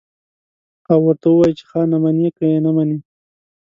او ورته ووايي چې خانه منې که يې نه منې.